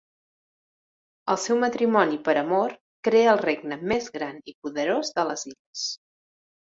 El seu matrimoni per amor crea el regne més gran i poderós de les illes.